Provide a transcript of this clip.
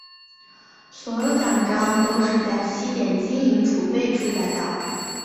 所有奖章都是在西点金银储备处打造。